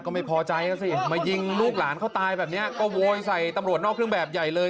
ก็ไม่พอใจแล้วสิมายิงลูกหลานเขาตายแบบนี้ก็โวยใส่ตำรวจนอกเครื่องแบบใหญ่เลย